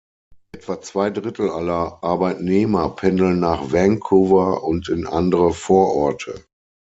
Etwa zwei Drittel aller Arbeitnehmer pendeln nach Vancouver und in andere Vororte.